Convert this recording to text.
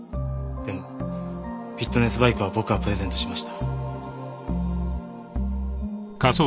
でもフィットネスバイクは僕がプレゼントしました。